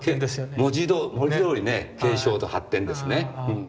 文字どおりね継承と発展ですね。